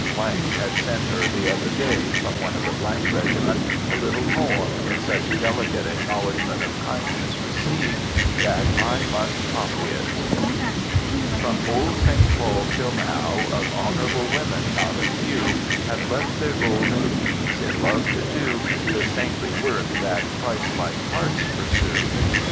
—— had sent her the other day, from one of the —— Regiment, a little poem in such delicate acknowledgment of kindness received that I must copy it:— "From old St. Paul till now, Of honorable women not a few Have left their golden ease in love to do The saintly work that Christlike hearts pursue.